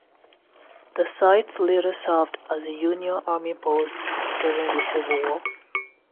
The site later served as a Union Army post during the Civil War.